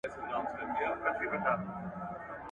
زه له شلم پوړ څخه د سنفرنسیسکو ښار ننداره کوم.